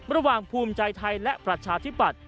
ระหว่างภูมิใจไทยและประชาธิบัติ